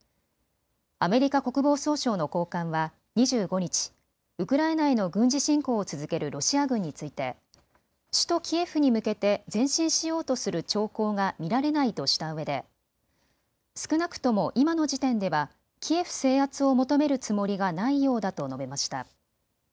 アメリカ国防総省の高官は２５日、ウクライナへの軍事侵攻を続けるロシア軍について首都キエフに向けて前進しようとする兆候が見られないとしたうえで少なくとも今の時点ではキエフ制圧を求めるつもりがないようだと述べました。